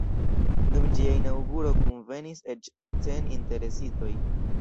Dum ĝia inaŭguro kunvenis eĉ cent interesitoj.